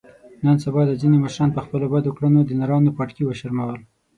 نن سبا دا ځنې مشرانو په خپلو بدو کړنو د نرانو پټکي و شرمول.